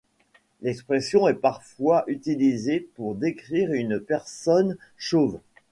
L’expression est parfois utilisée pour décrire une personne chauve.